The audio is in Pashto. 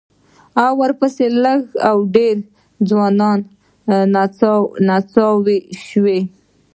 ورپسې لږ و ډېرې ځوانې نڅاوې شوې.